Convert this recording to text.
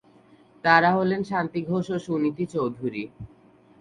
তারা হলেন শান্তি ঘোষ ও সুনীতি চৌধুরী।